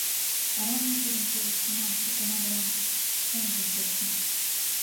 — Арам мый тудым колыштынам, — икана мылам чонжым почо.